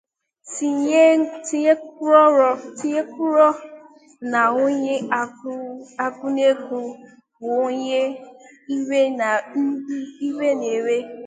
tinyekwuoro na onye agụụ na-agụ bụ onye iwe na ewe